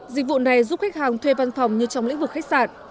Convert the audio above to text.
dịch vụ này giúp khách hàng thuê văn phòng như trong lĩnh vực khách sạn